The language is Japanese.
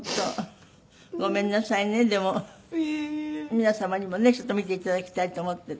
皆様にもねちょっと見ていただきたいと思って。